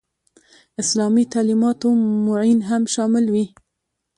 اسلامي تعلیماتو معین هم شامل وي.